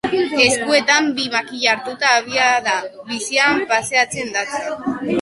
Eskuetan bi makila hartuta abiada bizian paseatzean datza.